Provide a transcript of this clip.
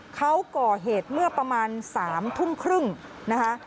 เขาก่อเหตุเมื่อประมาณ๓ทุ่มครึ่งนะคะ